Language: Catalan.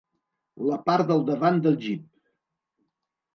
La part del davant del jeep.